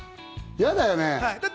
嫌だよね。